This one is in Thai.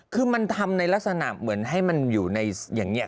คือมันทำในลักษณะเหมือนให้มันอยู่ในอย่างนี้